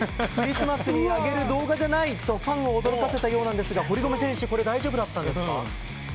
クリスマスに上げる動画じゃないとファンを驚かせたようですが堀米選手大丈夫だったんですか？